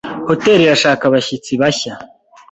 Hoteri irashaka abashyitsi bashya.